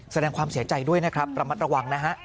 แสดงความเสียใจด้วยนะครับระมัดระวังนะฮะ